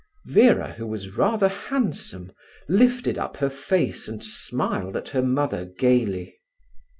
Vera, who was rather handsome, lifted up her face and smiled at her mother gaily.